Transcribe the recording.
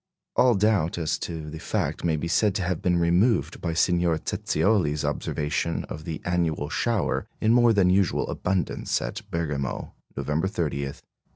All doubt as to the fact may be said to have been removed by Signor Zezioli's observation of the annual shower in more than usual abundance at Bergamo, November 30, 1867.